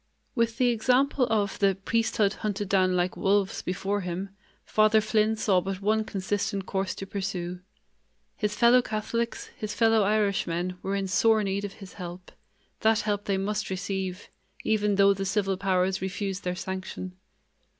With the example of the "priesthood hunted down like wolves" before him, Father Flynn saw but one consistent course to pursue. His fellow Catholics, his fellow Irishmen, were in sore need of his help; that help they must receive, even though the civil powers refused their sanction.